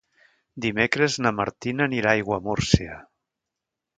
Dimecres na Martina anirà a Aiguamúrcia.